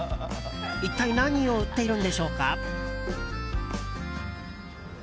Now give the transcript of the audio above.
一体何を売っているんでしょうか。